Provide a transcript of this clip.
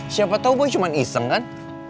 siapa tau boy cuma iseng kan